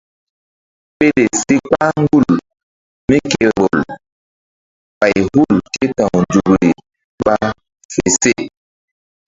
Pele si kpah gul mí ke vbol bay hul ké ta̧w nzukri ɓa fe se.